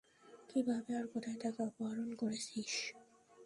কিভাবে আর কোথায় তাকে অপহরণ করেছিস?